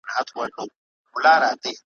هري ښځي ته روپۍ یې وې منلي `